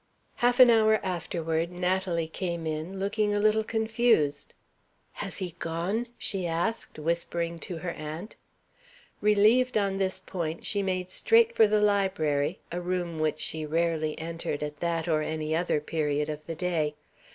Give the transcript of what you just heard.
Half an hour afterward Natalie came in, looking a little confused. "Has he gone?" she asked, whispering to her aunt. Relieved on this point, she made straight for the library a room which she rarely entered at that or any other period of the day.